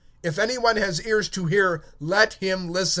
(16)If any one has ears to hear, let him hear.